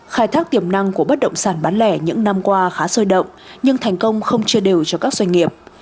khai thác tiềm năng của bất động sản bán lẻ những năm qua khá sôi động nhưng thành công không chia đều cho các doanh nghiệp